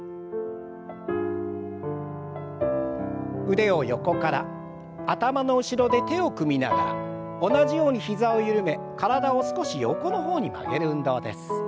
腕を横から頭の後ろで手を組みながら同じように膝を緩め体を少し横の方に曲げる運動です。